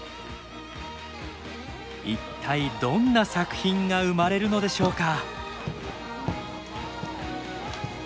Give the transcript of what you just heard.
一体どんな作品が生まれるのでしょうか？